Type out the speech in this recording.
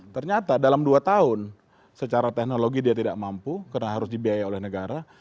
ternyata dalam dua tahun secara teknologi dia tidak mampu karena harus dibiaya oleh negara